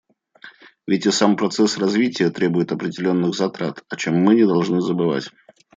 Ведь и сам процесс развития требует определенных затрат, о чем мы не должны забывать.